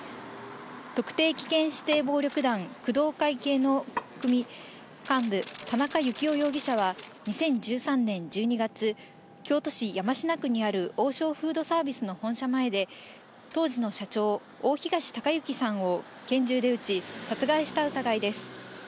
特定危険指定暴力団、工藤会系の組幹部、田中幸雄容疑者は２０１３年１２月、京都市山科区にある王将フードサービスの本社前で、当時の社長、大東隆行さんを拳銃で撃ち、殺害した疑いです。